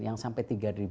yang sampai tiga dua ratus